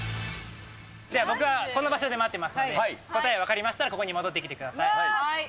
では僕はこの場所で待ってますので、答え分かりましたら、ここに戻ってきてください。